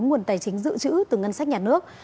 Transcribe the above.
nguồn tài chính dự trữ từ ngân sách nhà nước